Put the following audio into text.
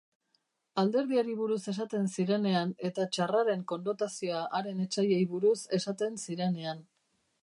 Alderdiari buruz esaten zirenean eta txarraren konnotazioa haren etsaiei buruz esaten zirenean.